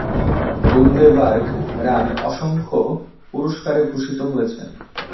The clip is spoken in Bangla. বুন্দেবার্গ রাম অসংখ্য পুরস্কারে ভূষিত হয়েছেন।